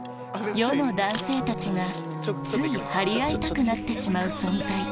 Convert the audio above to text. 世の男性たちがつい張り合いたくなってしまう存在